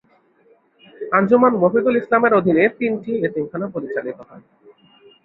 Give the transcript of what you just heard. আঞ্জুমান মুফিদুল ইসলাম এর অধীনে তিনটি এতিমখানা পরিচালিত হয়।